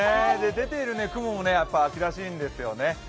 出ている雲も秋らしいんですよね。